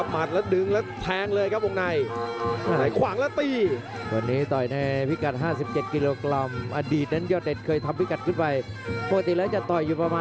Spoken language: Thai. มาดนดึงแข็งผมแล้วครับ